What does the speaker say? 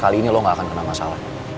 kali ini lo gak akan kena masalah